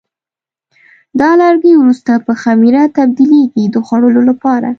دا لرګي وروسته په خمېره تبدیلېږي د جوړولو لپاره.